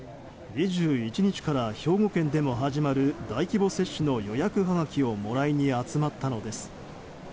２１日から兵庫県でも始まる大規模接種の予約はがきをもらいに集まったのです。